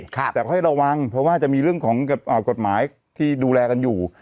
แต่ค่อยระวังเพราะว่าจะมีเรื่องของกฎหมายที่ดูแลกันอยู่